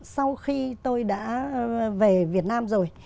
sau khi tôi đã về việt nam rồi